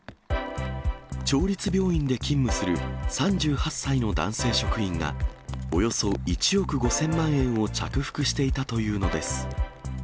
町立病院で勤務する３８歳の男性職員が、およそ１億５０００万円を着服していたというのです。